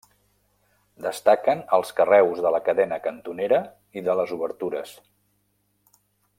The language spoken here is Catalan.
Destaquen els carreus de la cadena cantonera i de les obertures.